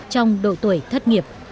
trong độ tuổi thất nghiệp